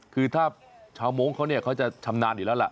คือถ้าชาวโม้งเขาเขาจะชำนาญอีกแล้วล่ะ